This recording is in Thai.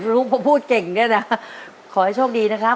ลูกพอพูดเก่งเนี่ยนะขอให้โชคดีนะครับ